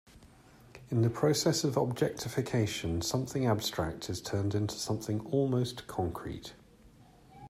In the process of objectification something abstract is turned into something almost concrete.